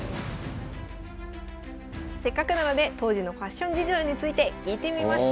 せっかくなので当時のファッション事情について聞いてみました。